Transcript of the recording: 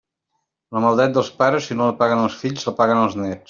La maldat dels pares, si no la paguen els fills, la paguen els néts.